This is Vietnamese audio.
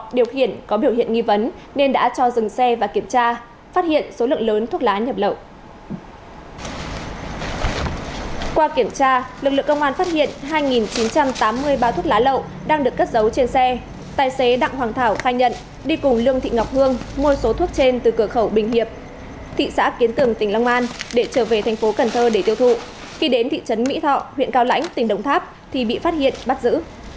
để trở về thành phố cần thơ để tiêu thụ khi đến thị trấn mỹ thọ huyện cao lãnh tỉnh đông tháp thì bị phát hiện bắt giữ